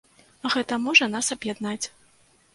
Гэта можа нас аб'яднаць.